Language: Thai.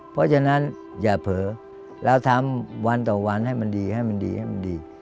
เพราะฉะนั้นอย่าเผลอเราทำวันต่อวันให้มันดีให้มันดีให้มันดี